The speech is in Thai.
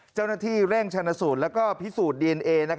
เจ้าหน้าที่เร่งชนสูตรและพิสูจน์ดีเอนเอ